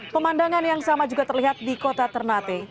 pemandangan yang sama juga terlihat di kota ternate